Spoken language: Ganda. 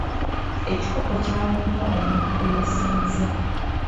Ekikopo kyaweereddwa omuntu eyasinze.